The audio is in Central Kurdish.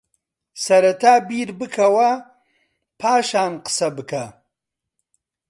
سەرەتا بیر بکەوە پاشان قسەبکە